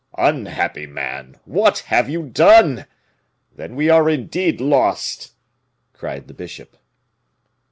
"Unhappy man! What have you done? Then we are indeed lost," cried the bishop.